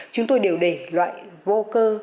chúng tôi đều để loại vô cơ